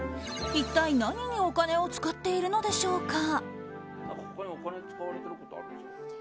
一体何にお金を使っているのでしょうか。